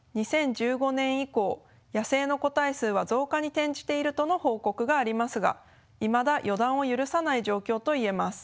２０１５年以降野生の個体数は増加に転じているとの報告がありますがいまだ予断を許さない状況といえます。